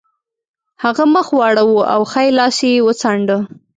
هغه مخ واړاوه او ښی لاس یې وڅانډه